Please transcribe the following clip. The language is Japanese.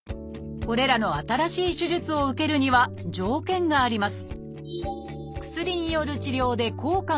これらの新しい手術を受けるには条件があります